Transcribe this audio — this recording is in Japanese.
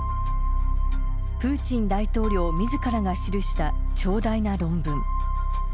プーチン大統領みずからが記した長大な論文。